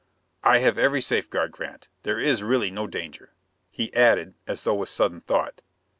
"I have every safeguard, Grant. There is really no danger." He added, as though with sudden thought.